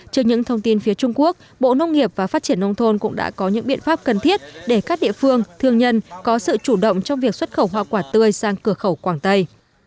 trước những thông tin phía trung quốc bộ nông nghiệp và phát triển nông thôn cũng đã có những biện pháp cần thiết để các địa phương thương nhân có sự chủ động trong việc xuất khẩu hoa quả tươi sang cửa khẩu quảng tây